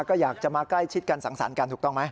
ก็อยากจะมาใกล้ชิดกันสังสรรค์กันถูกต้องไหม